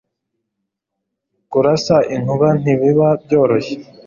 Kurasa inkuba ntibiba byoroshye